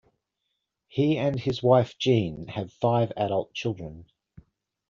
He and his wife Jeanne have five adult children.